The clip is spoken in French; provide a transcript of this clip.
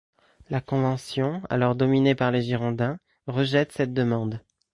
La Convention, alors dominée par les Girondins, rejette cette demande.